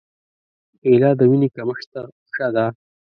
کېله د وینې کمښت ته ښه ده.